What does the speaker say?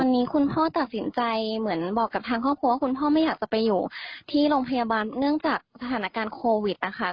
วันนี้คุณพ่อตัดสินใจเหมือนบอกกับทางครอบครัวว่าคุณพ่อไม่อยากจะไปอยู่ที่โรงพยาบาลเนื่องจากสถานการณ์โควิดนะคะ